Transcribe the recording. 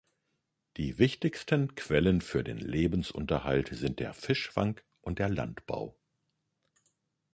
Die wichtigsten Quellen für den Lebensunterhalt sind der Fischfang und der Landbau.